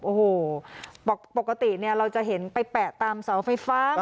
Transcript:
โอ้โฮปกติเราจะเห็นไปแปะตามเสาไฟฟ้ามาก